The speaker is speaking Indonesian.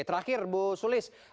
terakhir bu sulis